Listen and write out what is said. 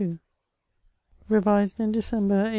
Revised in December, 1846.